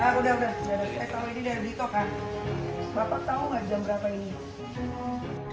kurang banyak karena lainnya juga punya